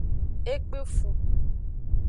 E kpefun.